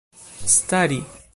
stari